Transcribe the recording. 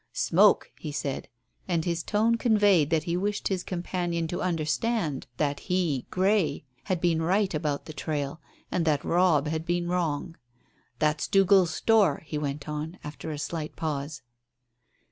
"Smoke," he said. And his tone conveyed that he wished his companion to understand that he, Grey, had been right about the trail, and that Robb had been wrong. "That's Dougal's store," he went on, after a slight pause.